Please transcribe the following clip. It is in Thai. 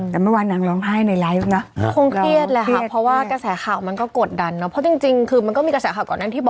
ตรงนี้จะเป็นยังไง